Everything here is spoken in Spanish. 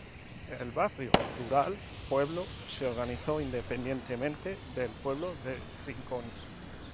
El barrio rural Pueblo se organizó independiente del pueblo de Rincón.